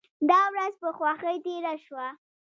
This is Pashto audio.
دا ورځ په خوښۍ تیره شوه.